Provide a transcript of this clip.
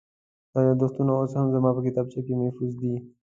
دا یادښتونه اوس هم زما په کتابخانه کې محفوظ دي.